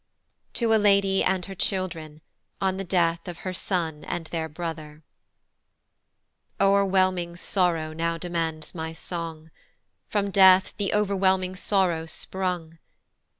To a LADY and her Children, on the Death of her Son and their Brother. O'ERWHELMING sorrow now demands my song: From death the overwhelming sorrow sprung.